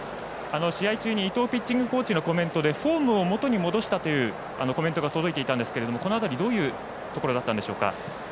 試合中に伊藤ピッチングコーチのコメントでフォームをもとに戻したというコメントが届いていたんですがこの辺り、どういうところだったんでしょうか？